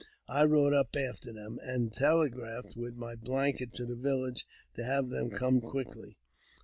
I rode up after them, and telegraphed Avith my blanket to the village to have them come quickly.